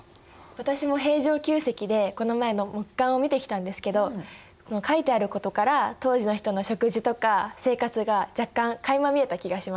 私も平城宮跡でこの前木簡を見てきたんですけどその書いてあることから当時の人の食事とか生活が若干かいま見えた気がしました。